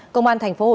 công an tp hcm